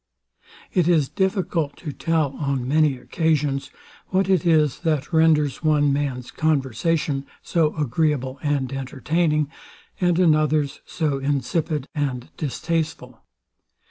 It is difficult to tell, on many occasions, what it is that renders one man's conversation so agreeable and entertaining, and another's so insipid and distasteful.